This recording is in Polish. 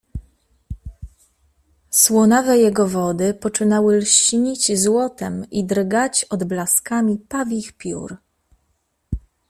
Słonawe jego wody poczynały lśnić złotem i drgać odblaskami pawich piór.